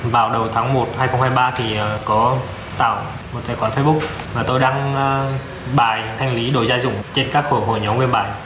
vào đầu tháng một hai nghìn hai mươi ba thì có tạo một tài khoản facebook và tôi đăng bài thanh lý đồ gia dụng trên các hội nhóm nguyên bài